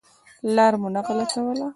لار مو نه غلطوله.